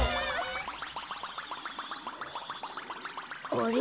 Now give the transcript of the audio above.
あれ？